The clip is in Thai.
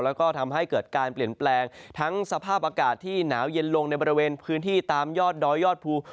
แล้วก็ทำให้เกิดการเปลี่ยนแปลงทั้งสภาพอากาศที่หนาวเย็นลงในบริเวณพื้นที่ตามยอดดอยยอดภู